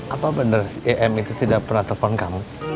apa bener si em itu tidak pernah telepon kamu